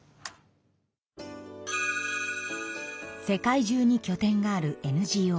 世界中にきょ点があるＮＧＯ